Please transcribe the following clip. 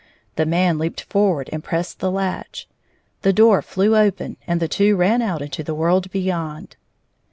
The man leaped forward and pressed the latch. The door flew open, and the two ran out into the world beyond.